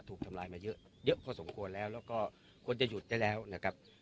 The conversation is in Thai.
ถูกทำลายมาเยอะเยอะพอสมควรแล้วแล้วก็ควรจะหยุดได้แล้วนะครับ